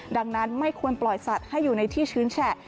ดังนั้นไม่ควรปล่อยสัตว์ให้อยู่ในที่ชื้นแฉะ